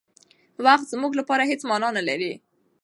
وخت زموږ لپاره هېڅ مانا نه لري.